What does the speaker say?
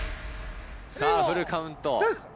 さぁフルカウント。